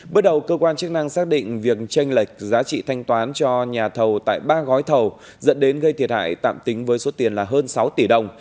bước đầu cơ quan chức năng xác định việc tranh lệch giá trị thanh toán cho nhà thầu tại ba gói thầu dẫn đến gây thiệt hại tạm tính với số tiền là hơn sáu tỷ đồng